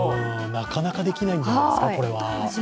なかなかできないんじゃないですか。